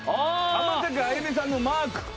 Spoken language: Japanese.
浜崎あゆみさんのマーク。